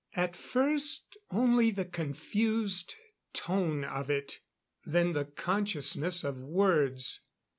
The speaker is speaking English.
At first only the confused tone of it. Then the consciousness of words.